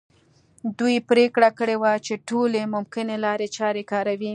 دوی پرېکړه کړې وه چې ټولې ممکنه لارې چارې کاروي.